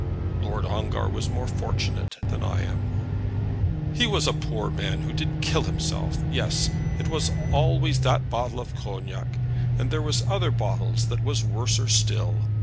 "Lord Ongar was more fortunate than I am." "He was a poor man who did kill himself. Yes. It was always that bottle of Cognac. And there was other bottles was worser still.